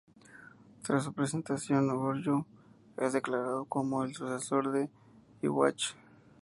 Tras su presentación, Uryū es declarado como el sucesor de Yhwach.